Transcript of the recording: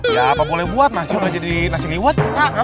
ya apa boleh buat nasi udah jadi nasi liwet